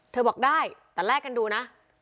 บอกได้แต่แลกกันดูนะ